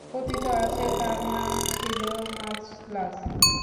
কথিত আছে তার নাম ছিল মাজলাছ।